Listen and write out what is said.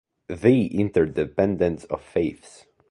The interdependence of faiths.